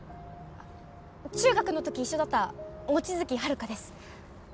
中学の時一緒だった望月遙です